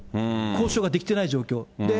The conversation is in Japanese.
交渉ができてない状況。